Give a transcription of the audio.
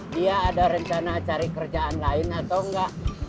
dia ada rencana cari kerjaan lain atau enggak